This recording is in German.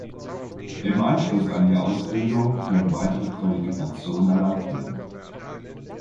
Im Anschluss an die Ausbildung können weitere Qualifikationen erlangt werden.